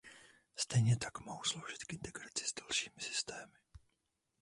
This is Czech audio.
Stejně tak mohou sloužit k integraci s dalšími systémy.